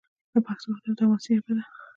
پښتو د ادب او حماسې ژبه ده.